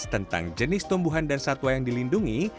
tentang jenis tumbuhan dan satwa yang dilindungi